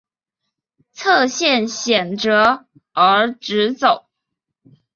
侧线显着而直走。